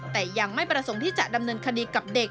แต่ยังไม่ประสงค์ที่จะดำเนินคดีกับเด็ก